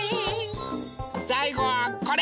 さいごはこれ！